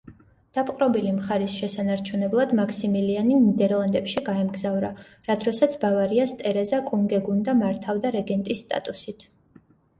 დაპყრობილი მხარის შესანარჩუნებლად მაქსიმილიანი ნიდერლანდებში გაემგზავრა, რა დროსაც ბავარიას ტერეზა კუნგეგუნდა მართავდა რეგენტის სტატუსით.